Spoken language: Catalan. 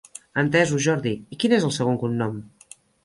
Entesos Jordi, i quin és el segon cognom?